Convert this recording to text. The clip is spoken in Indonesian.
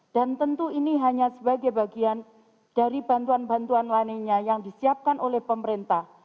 dan tentu ini hanya sebagai bagian dari bantuan bantuan lainnya yang disiapkan oleh pemerintah